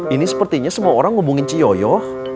ini sepertinya semua orang hubungin ciyoyo